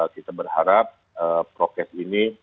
kita berharap prokes ini